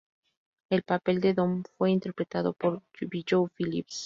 El papel de Doom, fue interpretada por Bijou Phillips.